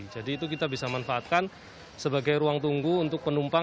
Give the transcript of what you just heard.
jadi itu kita bisa manfaatkan sebagai ruang tunggu untuk penumpukan